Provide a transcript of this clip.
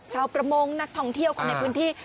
ชาวประมงนักท่องเที่ยวคนในพื้นที่